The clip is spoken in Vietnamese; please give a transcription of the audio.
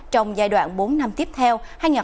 trong giai đoạn bốn năm tiếp theo